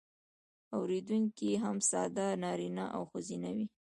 اوریدونکي یې هم ساده نارینه او ښځینه وي.